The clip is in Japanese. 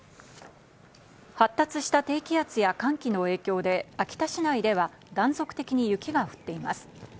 発達した低気圧や寒気の影響で、秋田市内では断続的に雪が降っています。